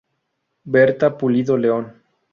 Bertha Pulido León.